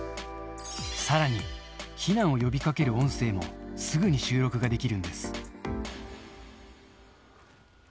さらに、避難を呼びかける音声もすぐに収録ができるんです。